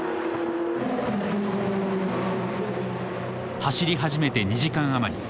走り始めて２時間余り。